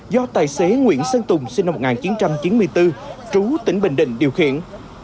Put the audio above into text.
do tài xế nguyễn sơn tùng sinh năm một nghìn chín trăm chín mươi bốn trú tỉnh bình định điều khiển